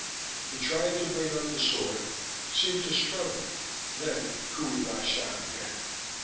He tried to bring up the sword, seemed to struggle, then Qohey lashed out again.